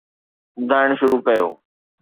ٻڌائڻ شروع ڪيو